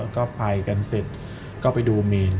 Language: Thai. ก็ไปกันเสร็จก็ไปดูมีน